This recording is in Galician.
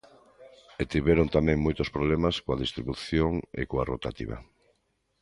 E tiveron tamén moitos problemas coa distribución e coa rotativa.